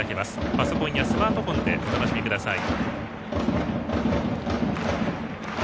パソコンやスマートフォンでお楽しみください。